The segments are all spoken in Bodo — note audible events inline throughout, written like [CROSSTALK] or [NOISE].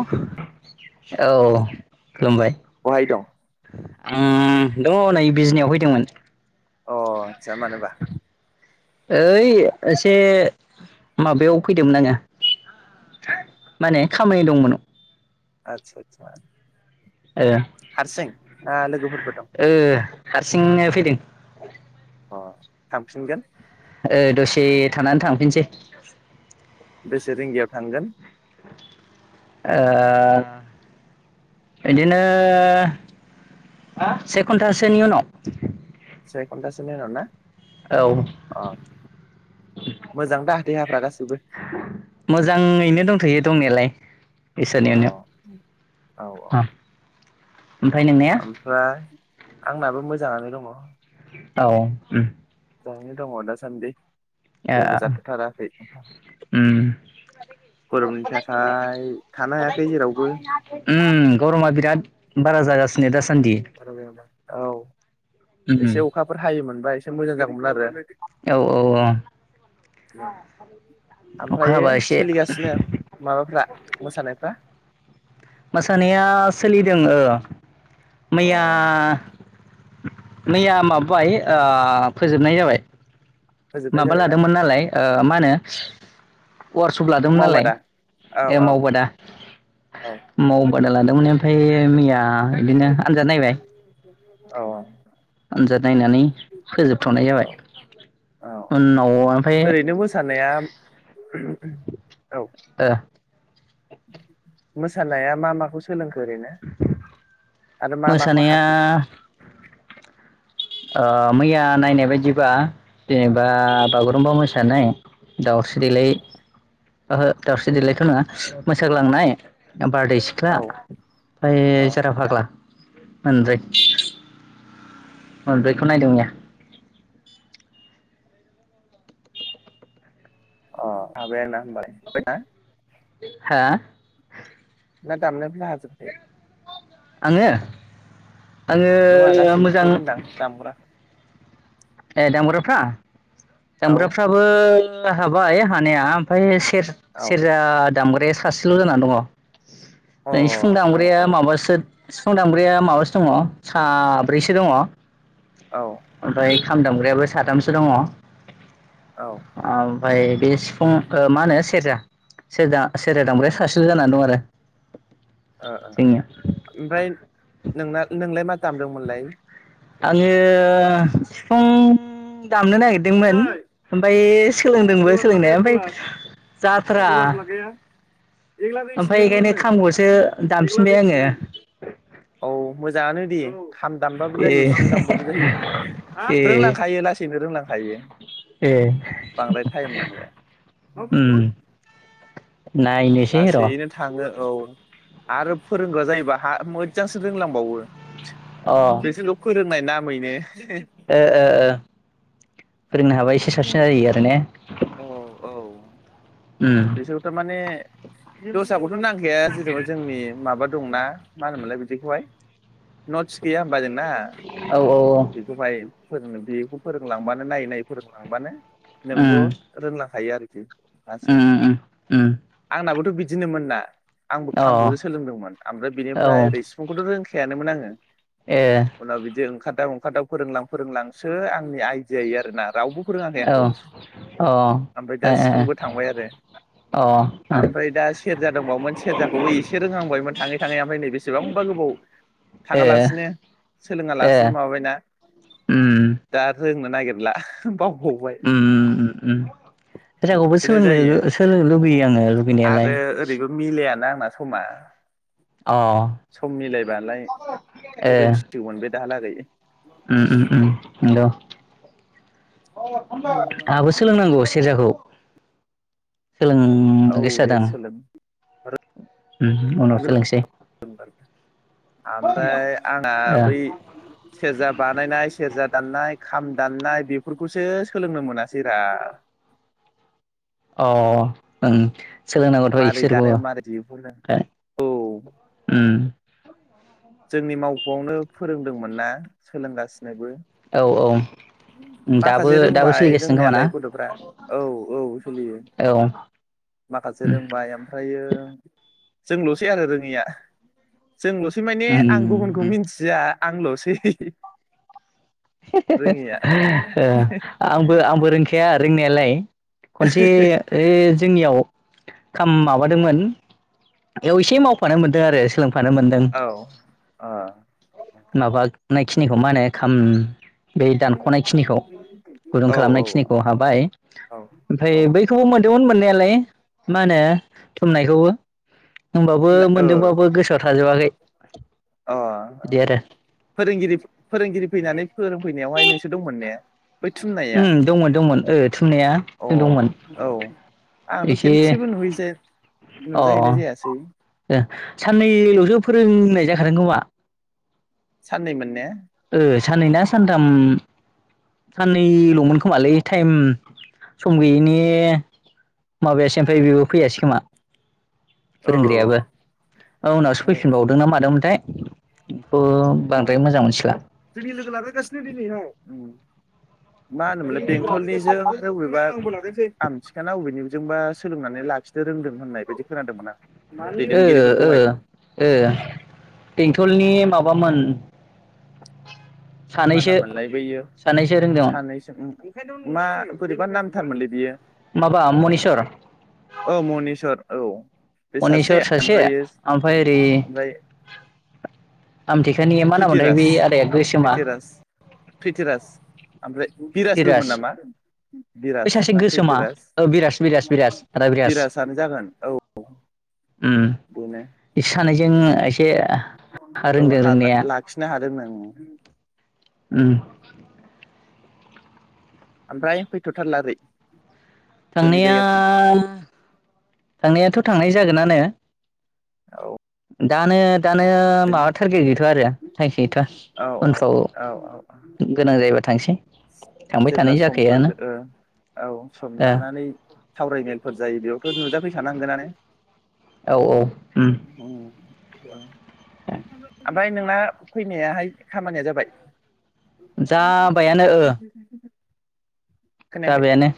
औ औ खुलुमबाय बहाय दं उम दङ नै बिजनियाव फैदोंमोन। अ आसा मानोबा? ओइ एसे माबायाव फैदोंमोन आङो माने खामानि दंमोन। आतसा आतसा ए हारसिं ओ लोगोफोर ओ हारसिंनो फैदों? अ थांफिनगोन ओ दसे थानानै थांफिनसै। बेसे रिंगायाव थांगोन? ओ बिदिनो से घन्टासोनि उनाव। से खथासो उनाव ना? औ अ मोजां दा देहाफ्रा गासैबो मोजाङैनो दंथायो दंनायालाय अ इसोरनि औ औ अननायाव उम ओमफ्राय आंनाबो मोजाङानो दङ। औ उम। मोजाङै दङ दासान्दि। ए जेबो आ जाथ'थाराखै उम गरमनि थाखाय थानो हायाखै जेरावबो उम गरमा बिराद बारा जागासि नेदा स औ उम एसे अखाफोर हायोमोनबा एसे मोजां जाग औ औ [UNINTELLIGIBLE] अखा ओमफ्रायो हाबा एसे सोलिगासिनो माबाफ्रा मोसानायफ्रा? मोसानाया सोलिदों ओ। अ मैया मैया माबाबाय ओ फोजोबनाय जाबाय। फोजोबनाय माबा जाबायना लादोंमोन नालाय ओ मा होनो वार्कशप लादोंमोन नालाय मावबादा औ ए औ मावबादा औ माव अर्डार लादोंमोन ओमफाय मैया बिदिनो आन्जाद नायबाय। औ। आन्जाद नायनानै फोजोबथनाय औ जाबाय औ उनाव ओमफाय ओरैनो मोसानाया [UNINTELLIGIBLE] औ। ओ मोसानाया मा माखौ स सोलोंखो ओरैनो आरो मा मा खौ मोसानाया हाखो? ओ मैया नायनाय बायदिबा एम। बा औ बागुरुम्बा मोसानाय दावस गोलै ओहो दावस्रि देलायथ' नङा मोसाग्लांनाय बारदै सिख्ला औ ओमफाय अ जारा फाग्ला। मोनब्रै [INAUDIBLE] मोनब्रैखौ नायदोंमोन। अ माबाया [UNINTELLIGIBLE] हा? ना दाननो नाजोबबाय। आङो [INAUDIBLE] नङा आङो गासैखौबो मोजां होनदां दामग्रा ए दामबरफ्रा औ जामबग्राफ्राबो हाबाय हानाया ओमफ्राय सेर औ अ औ सेजा दामग द सासेल' जानानै दङ ननो सिफुं औ दामग्राया माबासो सिफुं दामब्रैया माबासो दङ साब्रैसो दङ औ ओ ओमफ्रायफ्राय खाम दामग्रायाबो साथामसो दङ ओ आं बाय बे सिफुं मा होनो सेरजा सरजा सेरजा दांब्राया सासेल' जानानै दं आरो जोंनिया ओमफ्राय नोंना नोंलाय मा दामदोंमोनलाय आङो बिफां दामनो नागिरदोंमोन ओमफ्राय सोलोंदोंबो सलार लागाया सोलोंनाया ओमफ्राय सलार जाथ्रा सलार लागाया ओमफफ्राय बेखायनो खामखौसो दामफिनबाय आङो औ मोजाङानो दे खाम दामबाबो ए जायो सिफम दामबाबो जायो ए रोंलांखायो लासैनो रोंलां ए [INAUDIBLE] बांद्राय म नां [INAUDIBLE] उम नायनोसै र' औ आरो फोरोंगआ जायोैबा हा मोजांसो रोंलांबावो जसे [INAUDIBLE] नामैनो ए [UNINTELLIGIBLE] फोरोंनो हाबा एसे साबसिन जायो आरो ने औ औ दसाा ग [INAUDIBLE] ' नांखाया जेनेबा जोंनि माबा मा होनोमोनलाय बि ग [UNINTELLIGIBLE] औ औ बेखौ बाय फोरोङोदि बेखौ फोरोंलांबानो नायै नायै फोरोंलांबानो नंगौ उम रोंलां थायो आरोखि। लासै उम उम उम। दिनो मोन ना? आंबो अ खामखौ सोलोंदोंमोन ओमफ्राय बिनिफ्राय औ ओरै सिफुंखौथ' रों फेयानोमोन आङो ए उनाव बिदि ओंखार खदाव ओंखारदाव फोरोंलां फोरोंलांसो आंनि आइडिया आरोना रावबो फोरोङाखै आंखौ औ ओमफ्राय अ दा ए सिफुंबो थांबाय आरो। अ आमफ्राय दा सेरजा दंबावोमोन सेरजाखौबो एसे रोंहांबायमोन थाङै थाङै ओमफ्राय नै बेसेबांबा गोबाव ए थाङा लासिनो सोलोङा लासिनो ए माबाबायना उम दा रोंनो नागिरला। [UNINTELLIGIBLE] उम उम उम। ट्रेगावबो बिदिनो सोलोंनो जायो सोलोंनो लुगैयो आङो लुगैनायालाय। मा समा? अ सम मिलायबालाय ए रोंसिगौमोन बे। दालागै। उम उम उम। हेल'। आंहाबो सोलोंनांगौ सेरजाखौ। सोलोंनो औ गोसो दे जादों आं सोलों उम उनाव सोलोंसै [INAUDIBLE] आं दा ओ बै सेरजा बानायनाय सेरजा दाननाय खाम दान्नाय बेफोरखौसो सोलोंनो मोनासै रा अ ओंथ सोलोंनांगौथ' मारै इसोरखौबो दानो मारै दिहुनो औ उम जोंनि मावख'आवनो फोरोंदोंमोन ना सोलोंगासिनोबो। औ औ। दाबो माखासे दाबो रोंबाय सोलिगासिनो खोमा ना रोंनायालाय गथ'फ्रा औ औ सोलियो औ माखासे उम रोंबाय ओमफ्रायो जोंल'सै आरो रोङिया। जोंल'सै माने आं गुबुनखौ उम मिनथिया। आंल'सै रोङिया [UNINTELLIGIBLE] आंबो आंबो रोंखाया रोंनायालाय। खनसे ओ जोंनियाव [UNINTELLIGIBLE] माबादोंमोन बेयाव एसे माव फानो मोनदों आरो सोलोंफानो मोनदों औ औ माबानाय। खिनिखौ मा होनो खाम। बे दानखनायखिनिखौ गुदुं औ औ खालामनायखिनिखौ हाबाय औ ओमफ्राय औ बैखौबो मोन दोमोन मोननायालाय मा होनो थुमनायखौबो। होमबाबो थुनलाइ ओ मोनदोंबाबो गोसोआव था थाजोबाखै। अ ओ बिदि आरो फोरोंगिरि फोरोंगिरि फैनानै फोरों फैनायावहाय नोंसोर दंमोन ने? बै थुननाया उम दंमोन दंमोन ओ थुमनाया अ जों दंमोन औ आंथ' एसे खेनसेबो नुहैजाया अ अ नुजाहैनाय जायासै ओ साननैलसो फोरोंनाय जा खादों खोमा साननैमोन ने? ओ साननै ना सानथाम औ साननैलमोन खोमालै। टाइम सम गैयैनि माबायासै ओमफ्राय बेबो फैयासै खोमा औ फोरोंग्रायाबो उनावसो फैफिनबावदों ना मादोंमोनथाय बेखौ अ बांद्राय मोजां मोनथिला जोंनि लोगो लाबोगासिनो दिनै औ। मा होनोमोनलाय बेंथलनिजों बबेबा आमथिखा ना बबेनि जोंबा सोलोंनानै लाखिनो रोंदों होननाय बायदि खोनादोंमोन आं ओ ओ दैदेनगिरिफोरखौहाय। ओ बेंटलनि माबामोन मा सानैसो नाम मोनलाय बैयो सानैसो रोंदोंमोन सानैसो मा बोरैबा नामथारमोनलै बियो माबा मनिस्वर औ मनिस्वर औ बे मनिस्वर सासे ओमफ्रायो ओमफ्राय ओरै ओमफ्राय आमथेखानि मा नाम मोनथाय प्रिथिराज बै आदाया औ गोसोमा? प्रिथिराज प्रिथिराज ओमफ्राय बिराजबोमोन धीराज नामा बै बिराज सासे ना गोसोमा प्रिथिराज ओ बिराज बिराज बिराज आदा बिराज बिराजानो जागोन औ। उम बेनो बिसोर सानैजों एसे औ रोंदों हा रोंनाया लाखिनो हादों नो उम। उम ओमफ्राय फैथ' थारला ओरै जोंनि थांनाया जायगाथिं थांनायाथ' थांनाय जागोनानो औ दानो दानो माबा थारगेथ गैथवा आरो थारगेथ गैथवा औ उनफ्राव औ औ गोनां जायोबा थांसै थांबाय जेब्ला थानाय समफोर जाखायोआनो ओ औ सम ओ लानानै सावरायमेलफोर जायो बेयावथ' नुजाफै खानांगोनानो। औ औ ओम उम। ओमफ्राय नोंना फैनायाहाय खामानिया जाबाय जाबायानो ओ [INAUDIBLE] खोनायाखै जाबायानो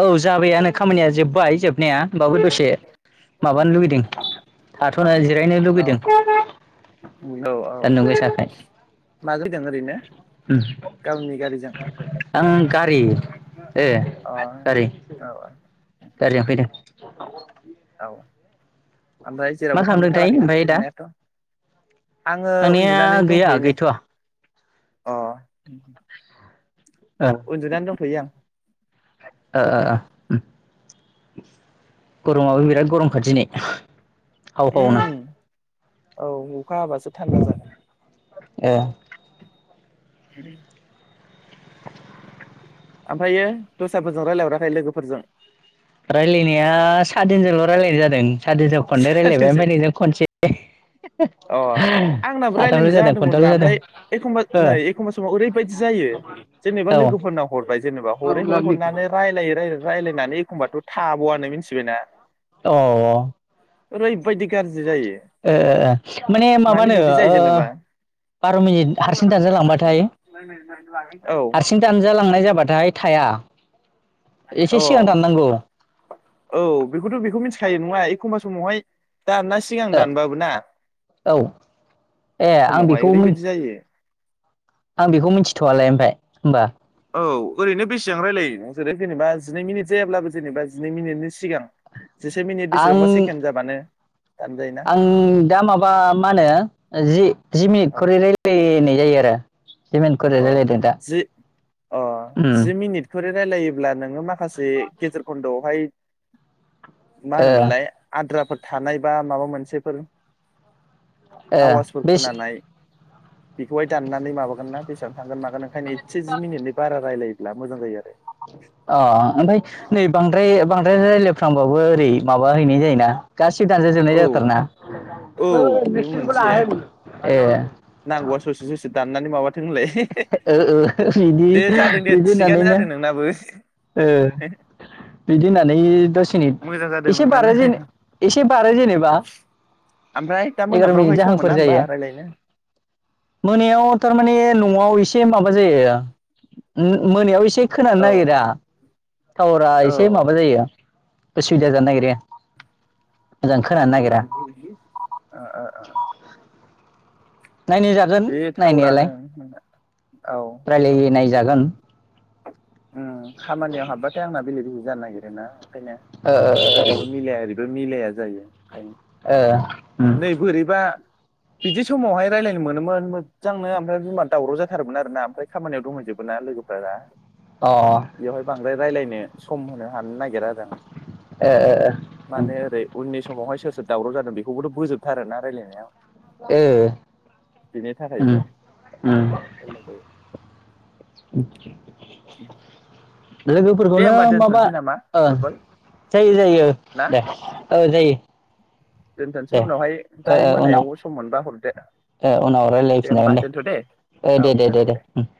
औ जाबाययानो खामानिया जोब्बाय जोबनाया होनबाबो दसे माबानो लुगैदों थाथ'ना जिरायनो औ लुुबैदों सान्दुं गोसाखाय दं ओरैनो उम गावनि गारिजों आं गारि ए अ गारि औ औ गारिजों [INAUDIBLE] [INAUDIBLE] ओमफ्राय मा जेरावबो खालामदोंथाय थांथ'थाराखैना ओमफ्राय दा थांनायाथ' आङो थांनाया उन्दुनानै गैया दंफैयो नै गैथ'वा अ उन्दुनानै दंफैयो आं ओ ओ ओ अ गरमाबो बिराद गरमखा दिनै औ औ न उम औ अखा हाबासो थान्दा जागोन ओ [INAUDIBLE] ओमफ्रायो दस्राफोरजों रायज्लायहराखै लोगोफोरजों रायलायनाया सा दिनजोंल' रायलायनाय जादों सादिनजों खननै रायलायबाय सानैजों ओमफ्राय नोंजों खनसे अ आंनाबो साथामल' रायलायनाय जादों जादोंमोनब्रा खनथामल' जादों ओमफ्राय एखमबा नै औ एखमबा समाव ओरैबायदि जायो जेनेबा औ लोगोफोरनाव हरबाय जे जेनेबा हरै हरै हरनानै रायलायो राय रायलायनानै एखमबाथ' थाब'आनो मिथिबायना अ अ ओरैबायदि गाज्रि जायो ओ ओ ओ माने मानो माबानो बिब्दि जायो ओ जेनेबा बार' मिनिट हारसिं दानजालांबाथाय औ हारसिं दानजालांनाय जाबाथाय थाया [INAUDIBLE] औ एसे सिगां दाननांगौ औ औ बेखौथ' बेखौ मिथिखायो नङा खमबा समावहाय दानना सिगां ओ दानबाबो ना औ ए आं समावहाय बेखौ ओरैबायदि जायो आं बेखौ मिनथिथ'वालाय ओमफाय होमबा, औ ओरैनो बेसेबां रायलायो ओरैनो जेनेबा जिनै मिनिट जायाब्लाबो जेनेबा जिनै मिनिटनि सिगां जिसे मिनिट आं बेसेबांबा सेकेन्ड जाबानो दानजायोना आं दा माबा मा होनो जि - जि मिनिट औ खरै रायलायनाय जायो आरो, जि मिनिट खरै अ रायलायदों दा जि - अ उम जि मिनिट खरै रायजलायोब्ला नोङो माखासे गेजेर खनद'वावहाय मा ओ होनोमोनलाय आद्राफोर थानाय बा माबा मोनसेफोर ए आवाजफोर बे खोनानाय बेखौहाय दाननानै माबागोन ना बेसे थागोन मागोन ओंखायनो एदसे जि मिनिटनि बारा रायलायो। ब्ला मोजां जायो आरो, अ ओमफाय नै औ बांद्राय-बांद्राय रायलायफ्रांबा बो ओरै माबाहैनाय जायोना, गासिबो दानजा जोबनाय जाथारोना? औ बेबो मोनसे [UNINTELLIGIBLE] ए नांगौबा ससे-ससे दाननानै माबाथों होनलाय एहे ओ-ओ, बिदि - बिदि थिगानो होननानैनो जादों नोंनाबो ओ बिदि होननानै दस मिनिट मोजां जादों एसे नोंनानो बारो जेने एसे बारो जेनेबा ओमफ्राय दा एगार' मिनिट मोनाफ्रावहाय सम मोना जाहांफोर होमबा जायो। रायलायनो मोनायाव थारमाने न'वाव एसे माबा जायो उम मोनायाव एसे खोनानो औ नागिरा, टाउवारा औ एसे माबा जायो। असुबिदा जानो नागिरो। मोजां खोनानो [INAUDIBLE] नागिरा ओ-ओ- ओ नायनाय जागोन नायनायालाय। टावारानो रायलाय नायजागोन। ओम खामानियाव हाबबाथाय आंना बेले जानो नागिरोना? खायनो ओरैबो मिलाया ओरै, ओ मिलाया जायो। खायनो नै बोरैबा। बिदि समावहाय रायलयनो मोनोमोन मोजांनो ओमफ्राय बिमा दावराव जाथारोमोन आरोना ओमफ्राय खामानियाव दंहैजोबोना लोगोफोरा दा। बेवहाय बांद्राय रायलायनो सम होनो हानो नागिरा आर माने ओरै उननि समावहाय सोस दावराव जादों बेखौबोथ बोजोबथारोना रायलायनायाव। ओ बेनि उम थाखायबो उम दे उम लोगोफोरखौनो होमबा माबा दोनथ'नोसै नामा ओ उरबल जायो जायो दे ओ जायो। दोनथसै दे ओ उनावहाय ओ दायो उनाव मोनायाव सम मोनबा हरदो। ओ उनाव रायलायफिनजागोन दे ओ औ दे दे दे दोनथ' दे उम